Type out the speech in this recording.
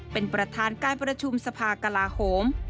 เป็นประธานการประชุมสภากลาโหม